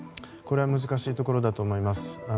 これは難しいところだと思います。